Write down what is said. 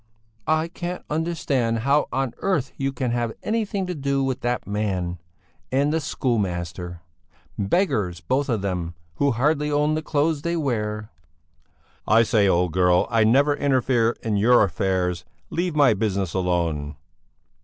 "I can't understand how on earth you can have anything to do with that man! And the schoolmaster! Beggars, both of them, who hardly own the clothes they wear." "I say, old girl, I never interfere in your affairs; leave my business alone."